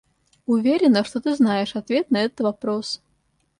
Уверена, что ты знаешь ответ на этот вопрос.